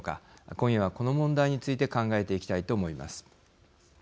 今夜は、この問題について考えていきたいと思います。